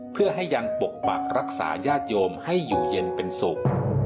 เพื่อให้ยังปกปักรักษาญาติโยมให้อยู่เย็นเป็นสุข